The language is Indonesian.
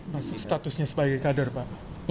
masih statusnya sebagai kader pak